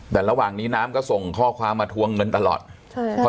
แต่ระหว่างนี้น้ำก็ส่งข้อความมาทวงเงินตลอดใช่ค่ะ